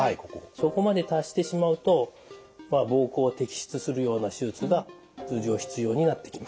そこまで達してしまうと膀胱摘出するような手術が通常必要になってきます。